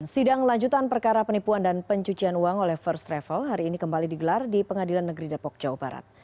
sidang lanjutan perkara penipuan dan pencucian uang oleh first travel hari ini kembali digelar di pengadilan negeri depok jawa barat